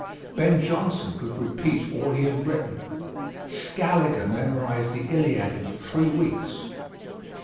Ben Jonson could repeat all he had written. Scaliger memorized the Iliad in three weeks.